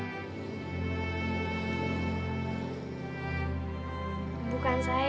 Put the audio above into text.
makasih ya udah menjaga permadaninya dengan baik